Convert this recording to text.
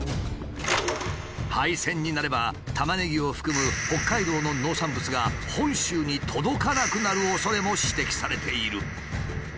廃線になればタマネギを含む北海道の農産物が本州に届かなくなるおそれも指摘されている。